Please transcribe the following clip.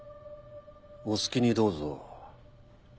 お好きにどうぞ。